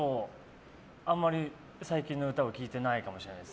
あんまり最近の歌を聴いてないかもしれないです。